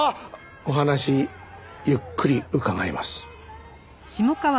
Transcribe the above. お話ゆっくり伺います。